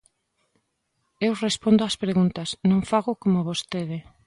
Eu respondo ás preguntas, non fago como vostede.